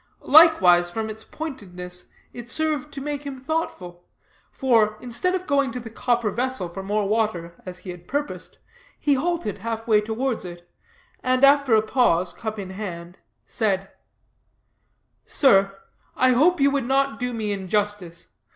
Likewise, from its pointedness, it served to make him thoughtful; for, instead of going to the copper vessel for more water, as he had purposed, he halted half way towards it, and, after a pause, cup in hand, said: "Sir, I hope you would not do me injustice.